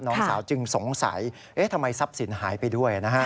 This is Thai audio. น้องสาวจึงสงสัยทำไมทรัพย์ศิลป์หายไปด้วยนะครับ